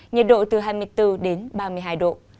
nhiệt độ từ hai mươi bốn đến ba mươi hai độ